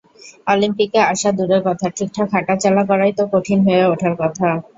অলিম্পিকে আসা দূরের কথা, ঠিকঠাক হাঁটাচলা করাই তো কঠিন হয়ে ওঠার কথা।